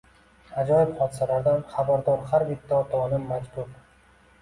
Ajoyib hodisalardan xabardor har bir ota-ona majbur.